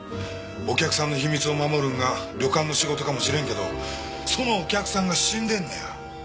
お客さんの秘密を守るんが旅館の仕事かもしれんけどそのお客さんが死んでんのや。